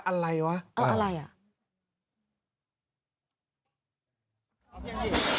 อะไรวะเอาอะไรอ่ะ